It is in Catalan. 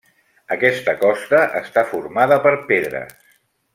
Aquesta costa està formada per pedres.